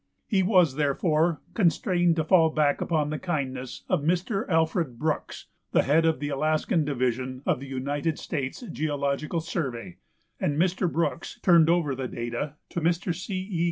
He was, therefore, constrained to fall back upon the kindness of Mr. Alfred Brooks, the head of the Alaskan Division of the United States Geological Survey, and Mr. Brooks turned over the data to Mr. C. E.